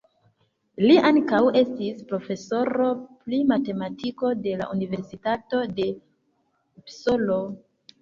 Li ankaŭ estis profesoro pri matematiko de la Universitato de Upsalo.